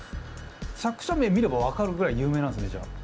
作者名見れば分かるぐらい有名なんすねじゃあ。